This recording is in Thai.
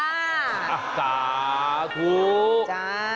อัตภาพถูก